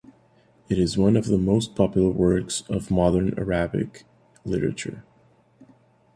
It is one of the most popular works of modern Arabic literature.